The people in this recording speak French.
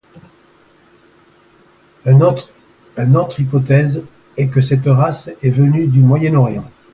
Un autre hypothèse est que cette race est venue du Moyen-Orient.